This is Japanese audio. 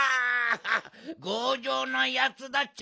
ごうじょうなやつだっちゃね！